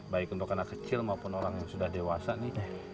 baik untuk anak kecil maupun orang yang sudah dewasa nih